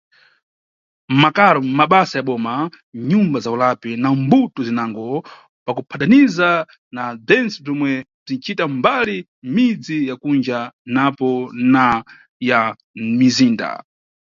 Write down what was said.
Mʼmakaro, mʼmabasa ya boma, nʼnyumba za ulapi na mbuto zinango, pakuphataniza na bzentse bzomwe bzinʼcita mbali mʼmidzi ya kunja napo na ya mʼmizinda.